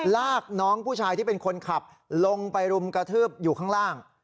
ลากน้องผู้ชายที่เป็นคนขับลงไปรุมกระทืบอยู่ข้างล่าง